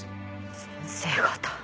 先生方。